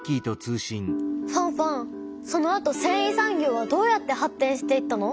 ファンファンそのあとせんい産業はどうやって発展していったの？